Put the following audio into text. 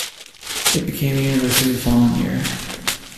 It became a university the following year.